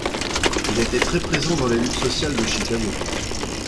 Il était très présent dans les luttes sociales de Chicago.